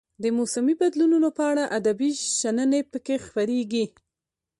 د موسمي بدلونونو په اړه ادبي شننې پکې خپریږي.